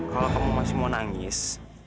kalau kamu masih mau nangis